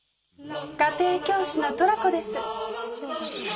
家庭教師のトラコです。